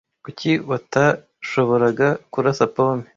Kuki Watashoboraga kurasa pome